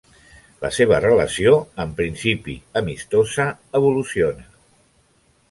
La seva relació, en principi amistosa, evoluciona.